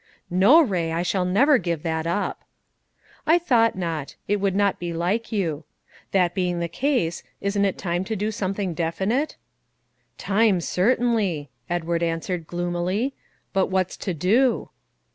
"No, Ray; I shall never give that up." "I thought not; it would not be like you. That being the case, isn't it time to do something definite?" "Time, certainly," Edward answered gloomily; "but what's to do?"